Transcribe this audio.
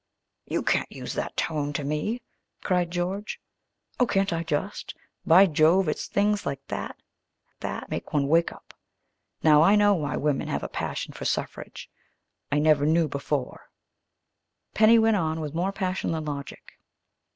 "You can't use that tone to me!" cried George. "Oh, can't I just? By Jove, it's things like that that make one wake up. Now I know why women have a passion for suffrage. I never knew before," Penny went on, with more passion than logic.